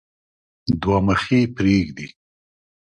دوه مخي پريږدي.